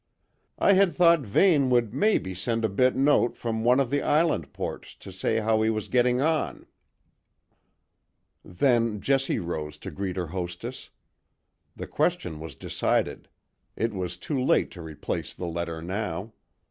"I had thought Vane would maybe send a bit note from one of the Island ports to say how he was getting on." Then Jessie rose to greet her hostess. The question was decided; it was too late to replace the letter now.